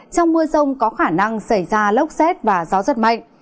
trong mưa rông có khả năng xảy ra lốc xét và gió rất mạnh